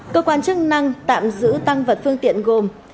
cơ quan chức năng tạm giữ tăng vật phương tiện gồm